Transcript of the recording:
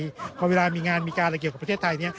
เพราะเวลามีงานมีการอะไรเกี่ยวกับประเทศไทย